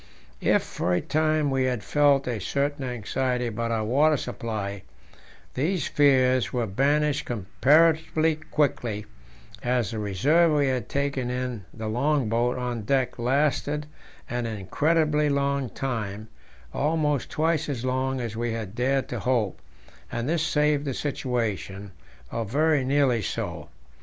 If for a time we had felt a certain anxiety about our water supply, these fears were banished comparatively quickly, as the reserve we had taken in the long boat on deck lasted an incredibly long time, almost twice as long as we had dared to hope, and this saved the situation, or very nearly so.